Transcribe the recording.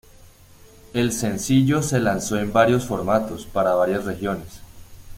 El sencillo se lanzó en varios formatos, para varias regiones.